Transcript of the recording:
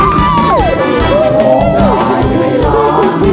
ดีใจสุขสุด